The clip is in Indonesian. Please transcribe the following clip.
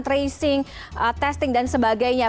tracing testing dan sebagainya